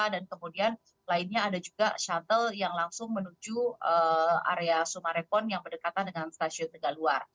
dan kemudian lainnya ada juga shuttle yang langsung menuju area sumarepon yang berdekatan dengan stasiun tegal luar